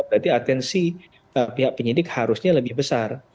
berarti atensi pihak penyidik harusnya lebih besar